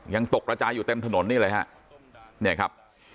ยังตกระจายอยู่เต็มถนนนี่เลยครับ